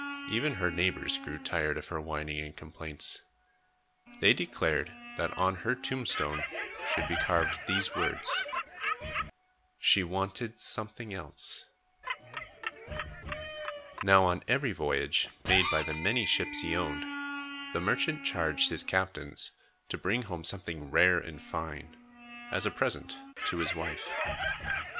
Even her neighbors grew tired of her whining and complaints. They declared that on her tombstone should be carved these words: "She wanted something else" Now on every voyage, made by the many ships he owned, the merchant charged his captains to bring home something rare and fine, as a present to his wife.